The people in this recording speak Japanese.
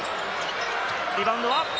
リバウンドは？